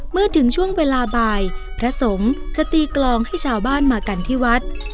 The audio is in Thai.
เมื่อถึงช่วงเวลาบ่ายพระสงฆ์จะตีกลองให้ชาวบ้านมากันที่วัด